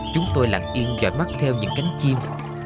chúng tôi lặng yên và mắt theo những cánh chim